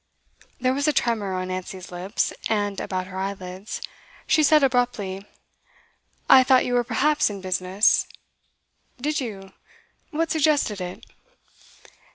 There was a tremor on Nancy's lips, and about her eyelids. She said abruptly: 'I thought you were perhaps in business?' 'Did you? What suggested it?